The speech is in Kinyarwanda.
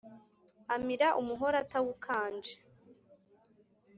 Amira umuhore atawukanje: